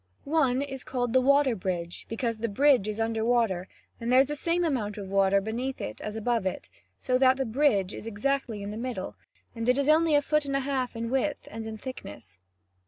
One is called the water bridge, because the bridge is under water, and there is the same amount of water beneath it as above it, so that the bridge is exactly in the middle; and it is only a foot and a half in width and in thickness.